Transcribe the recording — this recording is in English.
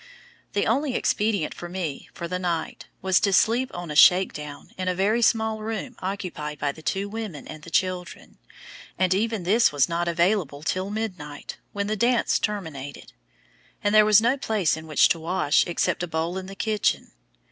The only expedient for me for the night was to sleep on a shake down in a very small room occupied by the two women and the children, and even this was not available till midnight, when the dance terminated; and there was no place in which to wash except a bowl in the kitchen.